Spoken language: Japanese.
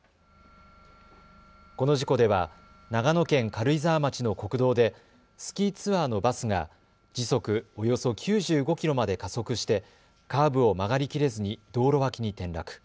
この事故では長野県軽井沢町の国道でスキーツアーのバスが時速およそ９５キロまで加速してカーブを曲がりきれずに道路脇に転落。